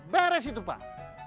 beres itu pak